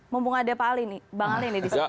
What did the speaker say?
mumpung ada pak ali nih bang ali nih disitu